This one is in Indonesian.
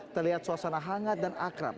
terlihat suasana hangat dan akrab